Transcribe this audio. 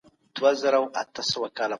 موږ عددونه لوستلای سو.